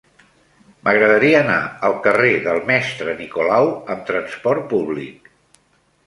M'agradaria anar al carrer del Mestre Nicolau amb trasport públic.